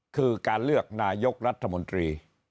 คือการเลือกนายกรัฐมนตรี